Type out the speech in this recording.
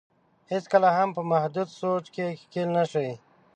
هېڅ کله په محدود سوچ کې ښکېل نه شي.